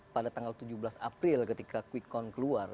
pada tanggal tujuh belas april ketika quick count keluar